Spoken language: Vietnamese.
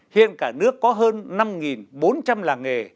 hiện cả nước có hơn năm bốn trăm linh làng nghề